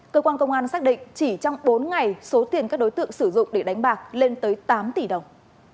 cơ quan công an xác định chỉ trong bốn ngày số tiền các đối tượng sử dụng để đánh bạc lên tới tám tỷ đồng